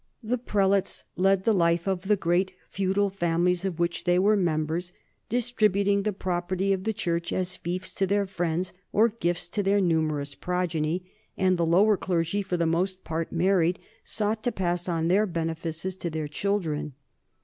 The prelates led the life of the great feudal families of which they were members, distributing the property of the church as fiefs to their friends or gifts to their numerous progeny ; and the lower clergy, for the most part married, sought to pass on their benefices to their children.